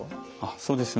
そうですね。